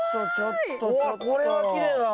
うわこれはきれいだな。